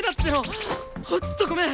ほんっとごめん！